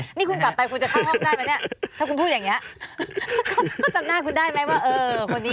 นี่คุณกลับไปคุณจะเข้าห้องได้ไหมเนี่ยถ้าคุณพูดอย่างนี้